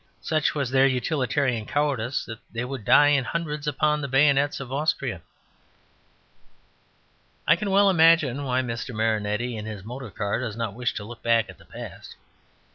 Such was their utilitarian cowardice that they would die in hundreds upon the bayonets of Austria. I can well imagine why Mr. Marinetti in his motor car does not wish to look back at the past.